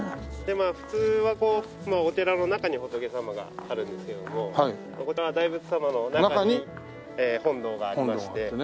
まあ普通はお寺の中に仏様があるんですけれどもこちらは大仏様の中に本堂がありまして。